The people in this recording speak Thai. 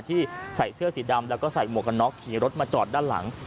ที่ใส่เสื้อสีดำแล้วก็ใส่หมวกกันน็อกขี่รถมาจอดด้านหลัง